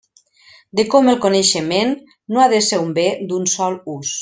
De com el coneixement no ha de ser un bé d'un sol ús.